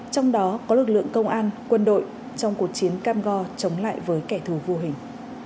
trong đó có lực lượng công an quân đội trong cuộc chiến cam go chống lại với kẻ thù vô hình